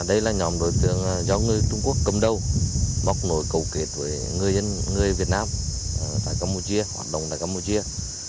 đây là nhóm đối tượng do người trung quốc cầm đầu bóc nổi cầu kể với người việt nam tại campuchia